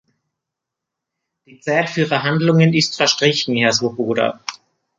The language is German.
Die Zeit für Verhandlungen ist verstrichen, Herr Swoboda.